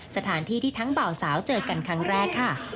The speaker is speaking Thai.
สถานที่ที่ทั้งเบาสาวเจอกันครั้งแรกค่ะ